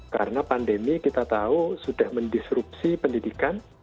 karena pandemi kita tahu sudah mendisrupsi pendidikan